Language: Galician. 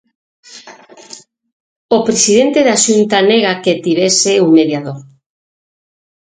O presidente da Xunta nega que tivese un mediador.